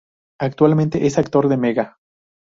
Actualmente es actor de Mega.